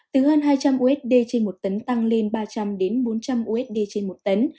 từ hơn hai trăm linh usd trên một tấn tăng lên ba trăm linh bốn trăm linh usd trên một tấn